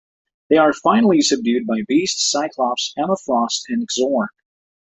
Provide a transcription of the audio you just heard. They are finally subdued by Beast, Cyclops, Emma Frost and Xorn.